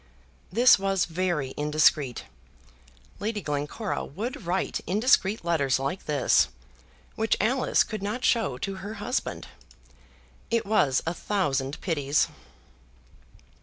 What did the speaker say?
This was very indiscreet. Lady Glencora would write indiscreet letters like this, which Alice could not show to her husband. It was a thousand pities.